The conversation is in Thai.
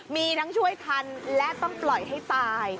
มีทั้งช่วยทันและต้องปล่อยให้ตาย